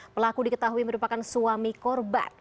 pelaku diketahui merupakan suami korban